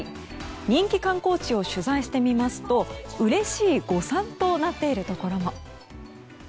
人気観光地を取材してみますとうれしい誤算となっているところも。